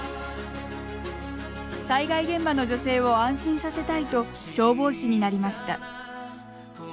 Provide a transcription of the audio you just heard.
災害現場の女性を安心させたいと消防士になりました。